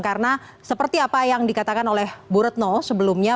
karena seperti apa yang dikatakan oleh bu retno sebelumnya